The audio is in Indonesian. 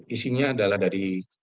isinya adalah dari